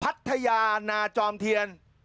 พัทยานาจอมเทียน